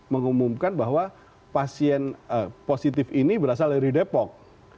mengumumkan bahwa pasien positif ini berasal dari depok